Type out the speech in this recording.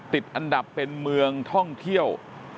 ติดอันดับเป็นเมืองท่องเที่ยว